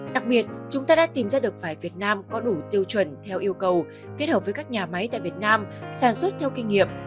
đặc biệt chúng ta đã tìm ra được vải việt nam có đủ tiêu chuẩn theo yêu cầu kết hợp với các nhà máy tại việt nam sản xuất theo kinh nghiệm